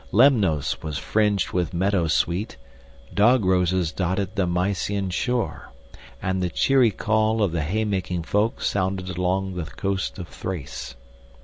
Lemnos was fringed with meadow sweet, dog roses dotted the Mysian shore, and the cheery call of the haymaking folk sounded along the coast of Thrace.